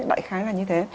đại khái là như thế